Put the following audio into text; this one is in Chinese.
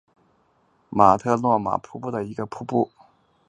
马特诺玛瀑布的一个瀑布。